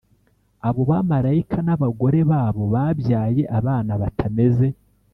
Abo bamarayika n abagore babo babyaye abana batameze